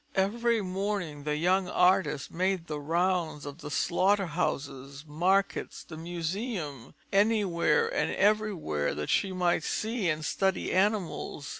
Every morning, the young artist made the rounds of slaughter houses, markets, the Museum, anywhere and everywhere that she might see and study animals.